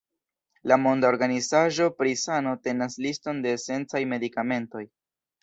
La Monda Organizaĵo pri Sano tenas liston de esencaj medikamentoj.